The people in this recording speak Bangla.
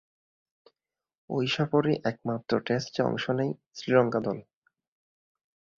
ঐ সফরে একমাত্র টেস্টে অংশ নেয় শ্রীলঙ্কা দল।